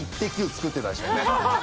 作ってたでしょうね。